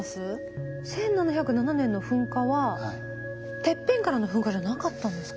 １７０７年の噴火はてっぺんからの噴火じゃなかったんですか？